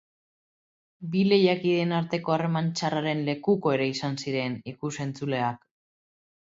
Bi lehiakideen arteko harreman txarraren lekuko ere izan ziren ikus-entzuleak.